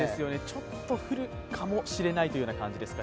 ちょっと降るかもしれないという感じです。